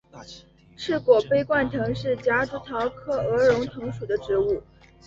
翅果杯冠藤是夹竹桃科鹅绒藤属的植物。